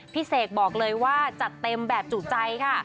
เสกบอกเลยว่าจัดเต็มแบบจุใจค่ะ